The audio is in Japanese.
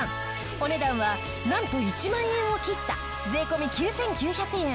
お値段はなんと１万円を切った税込９９００円！